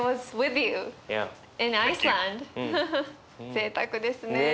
ぜいたくですね。